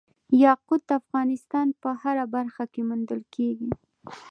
یاقوت د افغانستان په هره برخه کې موندل کېږي.